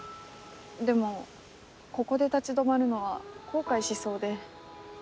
でもここで立ち止まるのは後悔しそうで。